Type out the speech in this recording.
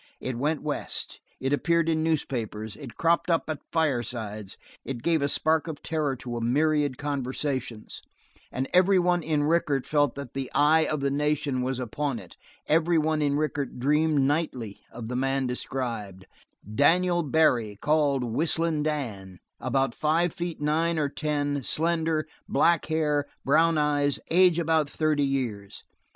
It went West; it appeared in newspapers; it cropped up at firesides; it gave a spark of terror to a myriad conversations; and every one in Rickett felt that the eye of the nation was upon it; every one in Rickett dreamed nightly of the man described: "Daniel Barry, called Whistling Dan, about five feet nine or ten, slender, black hair, brown eyes, age about thirty years."